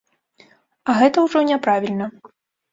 А гэта ўжо няправільна.